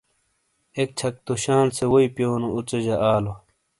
ایک چھک تو شال سے وئی پیونو اوژے جہ واتو۔